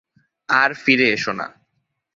আর ফিরে এসো না।